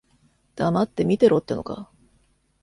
黙って見てろってのか。